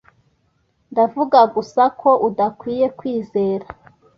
Ndavuga gusa ko udakwiye kwizera .